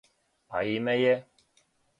А име је?